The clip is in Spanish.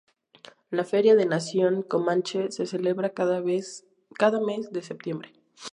La Feria de Nación Comanche se celebra cada mes de septiembre.